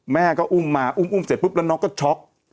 แม่ก็อุ้มมาอุ้มเสร็จปุ๊บแล้วน้องก็ช็อก